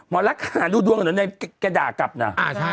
หมอหลักคะนรู่ดวงแกด่ากลับนะ